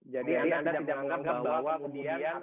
jadi anda tidak menganggap bahwa kemudian